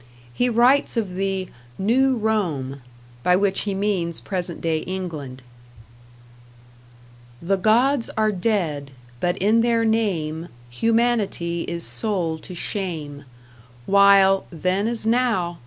He writes of the "New Rome", by which he means present day England: The gods are dead, but in their name Humanity is sold to shame, While (then as now!)